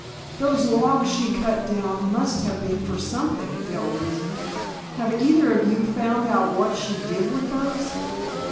"Those logs she cut down must have been for something," Dell reasoned. "Have either of you found out what she did with those?"